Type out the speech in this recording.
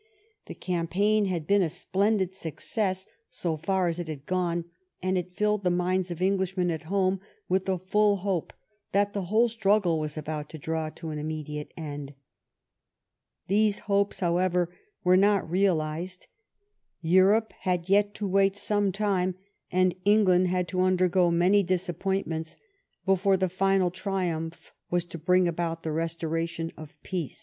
The campaign had been a splendid success so far as it had gone, and it filled the minds of Englishmen at home with the full hope that the whole struggle was about to draw to an immediate end. These hopes, however, were not real ized. Europe had yet to wait some time, and England had to undergo many disappointments before the final triumph was to bring about the restoration of peace.